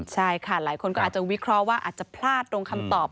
ใช่ค่ะหลายคนก็อาจจะวิเคราะห์ว่าอาจจะพลาดตรงคำตอบ